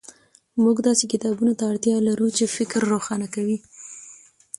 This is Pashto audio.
موږ داسې کتابونو ته اړتیا لرو چې فکر روښانه کړي.